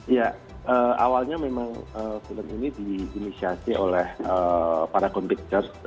iya awalnya memang film ini diinisiasi oleh para kompikers